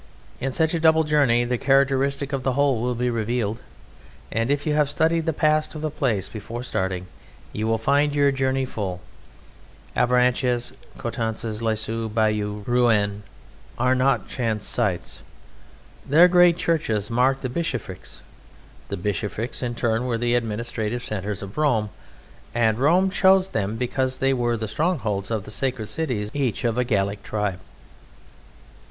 In such a double journey the character of the whole will be revealed, and if you have studied the past of the place before starting you will find your journey full. Avranches, Coutances, Lisieux, Bayeux, Rouen are not chance sites. Their great churches mark the bishoprics; the bishoprics in turn were the administrative centres of Rome, and Rome chose them because they were the strongholds or the sacred cities each of a Gallic tribe.